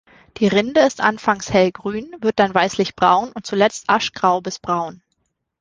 Die Rinde ist anfangs hellgrün, wird dann weißlich-braun und zuletzt aschgrau bis braun.